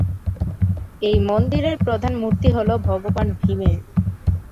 এই মন্দিরের প্রধান মূর্তি হলো ভগবান ভীমের।